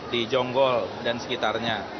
di jonggol dan sekitarnya